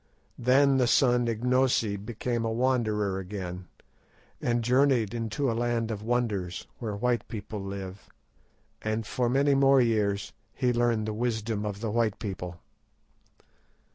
Then the son Ignosi became a wanderer again, and journeyed into a land of wonders, where white people live, and for many more years he learned the wisdom of the white people."